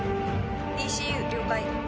ＥＣＵ了解。